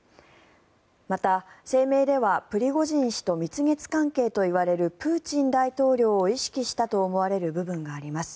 また、声明では、プリゴジン氏と蜜月関係といわれるプーチン大統領を意識したと思われる部分があります。